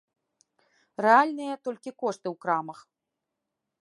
Рэальныя толькі кошты ў крамах.